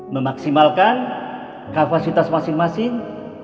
memaksimalkan kapasitas masing masing